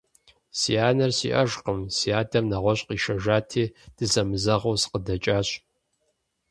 Си анэр сиӀэжкъым, си адэм нэгъуэщӀ къишэжати, дызэмызэгъыу сыкъыдэкӀащ.